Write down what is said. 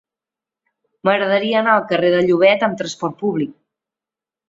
M'agradaria anar al carrer de Llobet amb trasport públic.